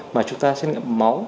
mà chúng ta xét nghiệm máu